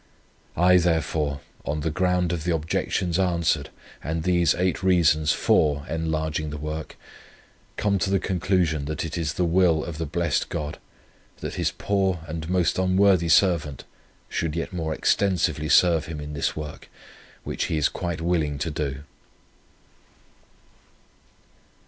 "I, therefore, on the ground of the objections answered, and these eight reasons FOR enlarging the work, come to the conclusion that it is the will of the blessed God, that His poor and most unworthy servant should yet more extensively serve Him in this work, which he is quite willing to do."